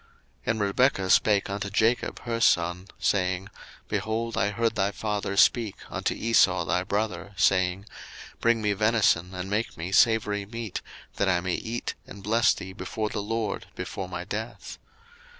01:027:006 And Rebekah spake unto Jacob her son, saying, Behold, I heard thy father speak unto Esau thy brother, saying, 01:027:007 Bring me venison, and make me savoury meat, that I may eat, and bless thee before the LORD before my death.